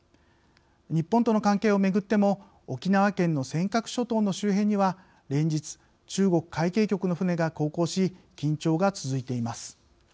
日本との関係をめぐっても沖縄県の尖閣諸島の周辺には連日、中国海警局の船が航行し緊張が続いています。